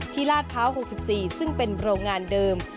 ที่ราชเผา๖๔ซึ่งเป็นโรงงานเดิม